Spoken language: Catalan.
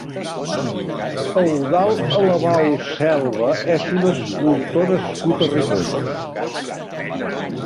Eudald Alabau Selva és un escultor nascut a Ripoll.